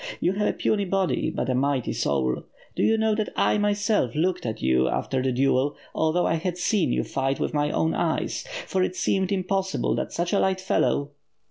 You have a puny body, but a mighty soul. Do you know that I, myself, looked at you after the duel, although I had seen you fight with my own eyes; for it seemed impossible that such a little fellow.